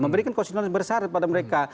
memberikan konsistensi bersyarat pada mereka